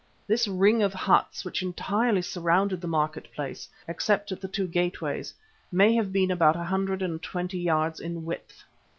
This ring of huts, which entirely surrounded the market place except at the two gateways, may have been about a hundred and twenty yards in width.